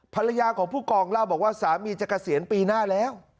ภรรยาของผู้กองเล่าบอกว่าสามีจะเกษียณปีหน้าแล้ว